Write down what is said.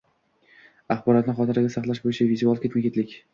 Axborotni xotiraga saqlash bo‘yicha vizual ketma-ketlik